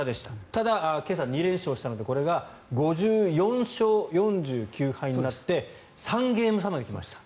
ただ、今朝、２連勝したのでこれが５４勝４９敗になって３ゲーム差まで来ました。